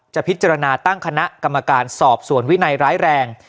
พิจารณาตั้งคณะกรรมการสอบสวนวินัยร้ายแรง